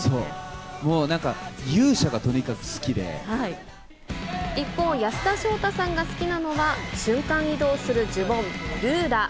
もうなんか、勇者がとにかく好き一方、安田章大さんが好きなのは、瞬間移動する呪文、ルーラ。